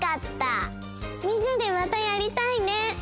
みんなでまたやりたいね！